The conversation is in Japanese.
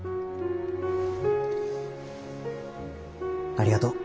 ありがとう。